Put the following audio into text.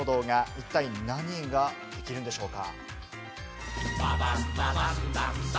一体、何ができるんでしょうか？